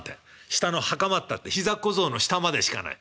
下の袴ったって膝小僧の下までしかない。